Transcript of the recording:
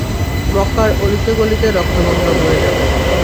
মক্কার অলি-গলিতে রক্তগঙ্গা বয়ে যাবে।